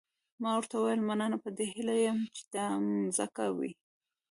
ما ورته وویل مننه په دې هیله یم چې دا مځکه وي.